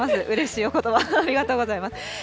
うれしいおことばをありがとうございます。